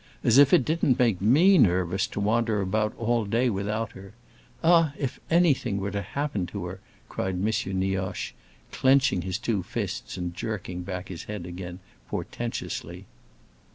As if it didn't make me nervous to wander about all day without her! Ah, if anything were to happen to her!" cried M. Nioche, clenching his two fists and jerking back his head again, portentously.